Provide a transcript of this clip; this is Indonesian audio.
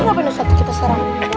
itu ngapain ustadz kita serang